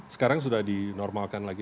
sekarang sudah dinormalkan lagi